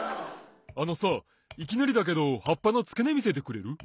あのさいきなりだけどはっぱのつけねみせてくれる？